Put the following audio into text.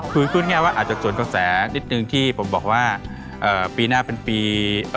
คือพูดง่ายว่าอาจจะส่วนกระแสนิดนึงที่ผมบอกว่าปีหน้าเป็นปี